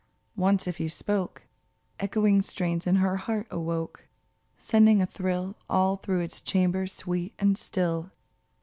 Once if you spoke, Echoing strains in her heart awoke, Sending a thrill All through its chambers sweet and still.